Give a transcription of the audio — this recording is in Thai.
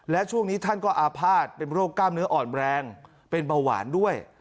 และช่วงนี้ท่านก็อาภาษณ์เป็นโรคกล้ามเนื้ออ่อนแรงเป็นเบาหวานด้วย